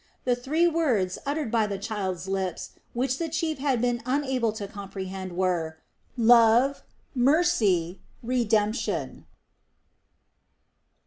The three words uttered by the child's lips which the chief had been unable to comprehend were: "Love, Mercy, Redemption!"